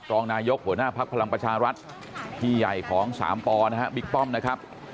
รองนายกหัวหน้าภักดิ์พลังประชารัฐพี่ใหญ่ของสามปนะฮะบิ๊กป้อมนะครับ